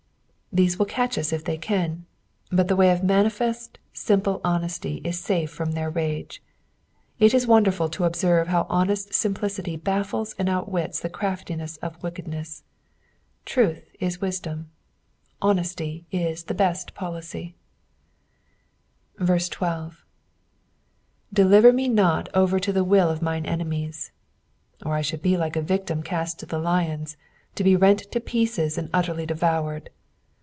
These will catch us if they can, but the way of manifest, simplo honesty is safe from their rage. It is wonderful to observe how honest simplictty baffles and outwits the craftiness of wickedness. Truth is wisdom. "Honesty is the best policy." 12. "Deliver me not oner unto the wUi of mine enemiet;" or I should be like a victim cast to the lions, to be rent to pieces, and utterly devoured.